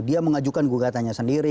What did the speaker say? dia mengajukan gugatannya sendiri